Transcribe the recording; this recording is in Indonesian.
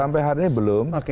sampai hari ini belum